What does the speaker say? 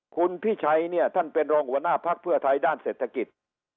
คุณพิชัยเนี่ยท่านเป็นรองหัวหน้าภักดิ์เพื่อไทยด้านเศรษฐกิจ